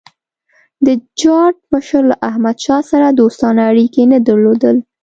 د جاټ مشر له احمدشاه سره دوستانه اړیکي نه درلودل.